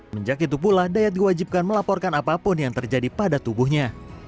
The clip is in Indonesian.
menjak itu pula dayat diwajibkan melaporkan apapun yang terjadi pada tubuhnya